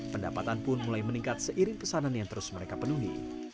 pendapatan pun mulai meningkat seiring pesanan yang terus mereka penuhi